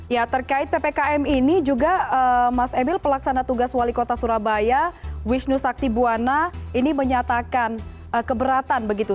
ya terkait ppkm ini juga mas emil pelaksana tugas wali kota surabaya wisnu sakti buwana ini menyatakan keberatan begitu